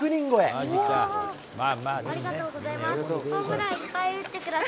ありがとうございます。